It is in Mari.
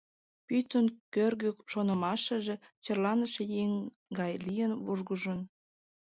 Пӱтынь кӧргӧ шонымашыже черланыше еҥын гай лийын вургыжын.